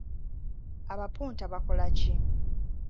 Abapunta bakola ki?